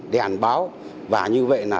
để ảnh báo và như vậy là